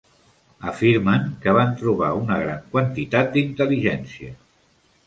Afirmen que van trobar una gran quantitat d'intel·ligència.